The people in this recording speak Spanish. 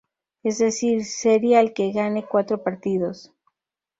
Es decir, serie al que gane cuatro partidos.